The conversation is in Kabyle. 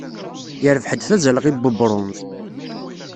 Yerbeḥ-d tazalɣi n webṛunz.